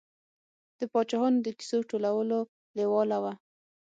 د پاچاهانو د کیسو ټولولو لېواله و.